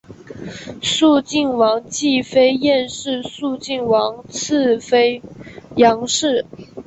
肃靖王继妃晏氏肃靖王次妃杨氏